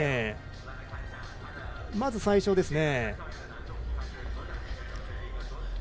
まず最初ですね。